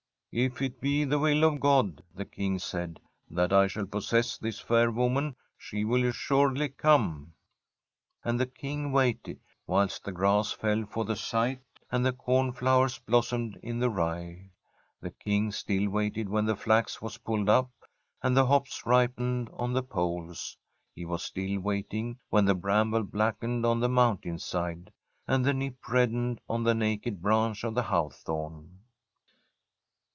' If it be the will of God,' the King said, ' that I shall possess this fair woman, she will assuredly come.' And the King waited, whilst the grass fell for the scythe, and the cornflowers blossomed in the rye. The King still waited when the flax was pulled up, and the hops ripened on the poles. H'^ was still waiting, when the bramble blackened on From a SWEDISH HOMESTEAD the mountain side, and the nip reddened on the naked branch of the hawthorn.